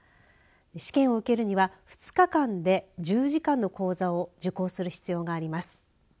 試験を受けるには２日間で１０時間の講座を受講する必要があります。